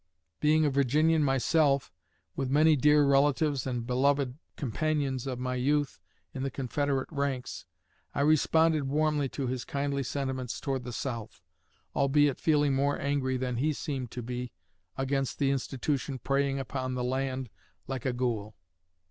Being a Virginian myself, with many dear relatives and beloved companions of my youth in the Confederate ranks, I responded warmly to his kindly sentiments toward the South, albeit feeling more angry than he seemed to be against the institution preying upon the land like a ghoul.